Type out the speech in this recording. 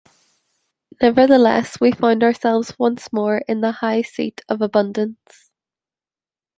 Nevertheless we found ourselves once more in the high seat of abundance.